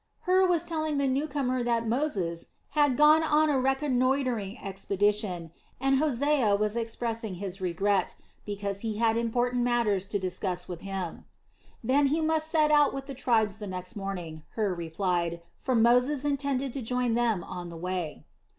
Hur was telling the newcomer that Moses had gone on a reconnoitring expedition, and Hosea was expressing his regret, because he had important matters to discuss with him. Then he must set out with the tribes the next morning, Hur replied, for Moses intended to join them on the way.